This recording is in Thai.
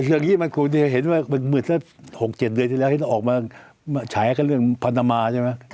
สิ่งนี้มันคือเห็นว่ามันเหมือน๖๗เดือนที่แล้วออกมาฉายกันเรื่องพนมาใช่ไหม